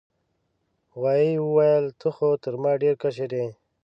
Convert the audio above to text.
غوايي وویل ته خو تر ما ډیر کشر یې.